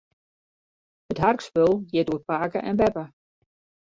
It harkspul giet oer pake en beppe.